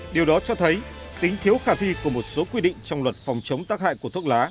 điều đó cho thấy tính thiếu khả thi của một số quy định trong luật phòng chống tác hại của thuốc lá